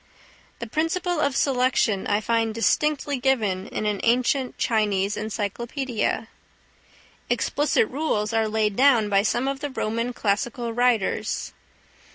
The principle of selection I find distinctly given in an ancient Chinese encyclopædia. Explicit rules are laid down by some of the Roman classical writers.